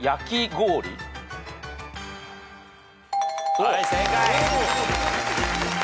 はい正解。